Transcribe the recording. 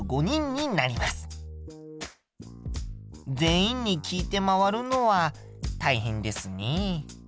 全員に聞いて回るのは大変ですね。